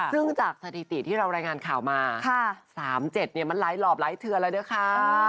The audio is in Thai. ซึ่งจากสถิติที่เรารายงานข่าวมา๓๗มันหลายหลอบหลายเทือนแล้วด้วยค่ะ